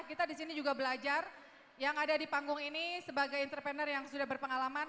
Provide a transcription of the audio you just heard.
kita di sini juga belajar yang ada di panggung ini sebagai entrepreneur yang sudah berpengalaman